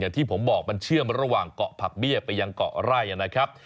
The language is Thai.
ที่ผมบอกมันเชื่อมระหว่างเกาะผักเบี้ยไปยังเกาะไร่นะครับ